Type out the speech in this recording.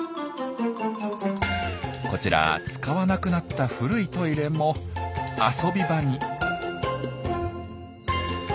こちら使わなくなった古いトイレも遊び場に。